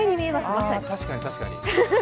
確かに確かに。